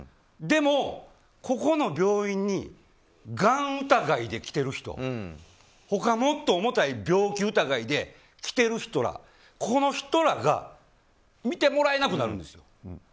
でも、ここの病院にがん疑いで来てる人他もっと重たい病気疑いで来てる人らこの人らが診てもらえなくなるんです。